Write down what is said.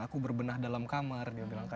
aku berbenah dalam kamar